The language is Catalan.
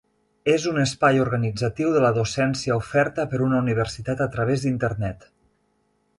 És un espai organitzatiu de la docència oferta per una universitat a través d'Internet.